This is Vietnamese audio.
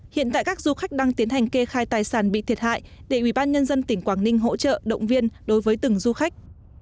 hiện tại các du khách đang tiến hành kê khai tài sản bị thiệt hại để ủy ban nhân dân tỉnh quảng ninh hỗ trợ động viên đối với từng du khách